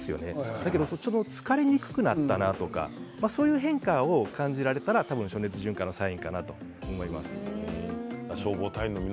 だけど疲れにくくなったなとかそういう変化を感じられたら暑熱順化のサインかなと思います。